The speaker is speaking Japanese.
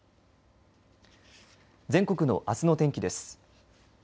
全国のあすの天気です。